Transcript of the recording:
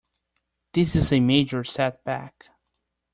This is a major setback.